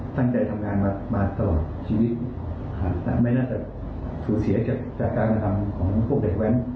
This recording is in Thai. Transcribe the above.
ตั้งใจทำงานมาตลอดชีวิตแต่ไม่น่าจะสูญเสียจากการกระทำของพวกเด็กแว้น